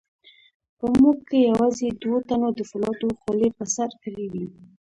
په موږ کې یوازې دوو تنو د فولادو خولۍ په سر کړې وې.